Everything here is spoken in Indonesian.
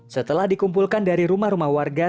setelah dikumpulkan dari rumah rumah warga